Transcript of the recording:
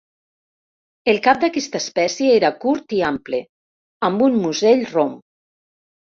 El cap d'aquesta espècie era curt i ample, amb un musell rom.